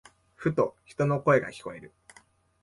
ふと、人の声が聞こえる。